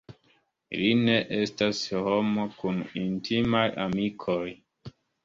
Li ne estas homo kun intimaj amikoj.